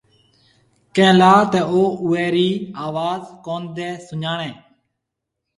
ڪݩهݩ لآ تا او اُئي ريٚ آوآز ڪوندينٚ سُڃآڻيݩ۔